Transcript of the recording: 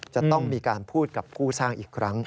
จะต้องมีการพูดกับกู้สร้างอีกครั้ง